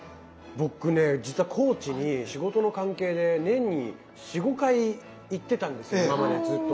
僕ね実は高知に仕事の関係で年に４５回行ってたんです今までずっと。